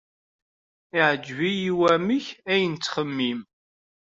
Yeɛjeb-iyi wamek ay nettxemmim.